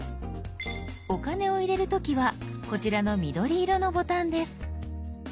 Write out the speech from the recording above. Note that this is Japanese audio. お金を入れる時はこちらの緑色のボタンです。